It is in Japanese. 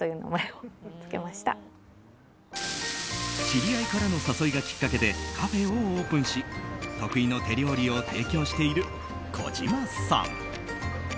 知り合いからの誘いがきっかけでカフェをオープンし得意の手料理を提供しているこじまさん。